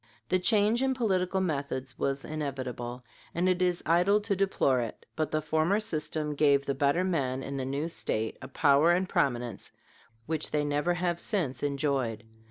The change in political methods was inevitable, and it is idle to deplore it; but the former system gave the better men in the new State a power and prominence which they have never since enjoyed.